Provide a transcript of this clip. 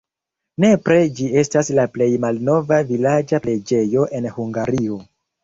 Nepre ĝi estas la plej malnova vilaĝa preĝejo en Hungario.